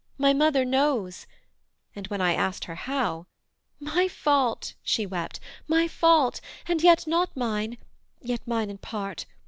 My mother knows:' and when I asked her 'how,' 'My fault' she wept 'my fault! and yet not mine; Yet mine in part.